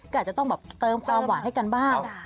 ก็อาจจะต้องแบบเติมความหวานให้กันบ้าง